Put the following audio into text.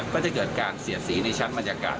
ก็จะเกิดการเสียสีในชั้นบรรยากาศ